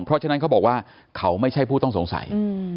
เพราะฉะนั้นเขาบอกว่าเขาไม่ใช่ผู้ต้องสงสัย